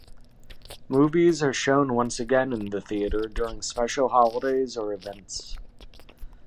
Movies are shown once again in the theatre during special holidays or events.